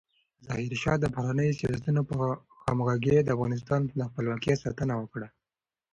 ظاهرشاه د بهرنیو سیاستونو په همغږۍ د افغانستان د خپلواکۍ ساتنه وکړه.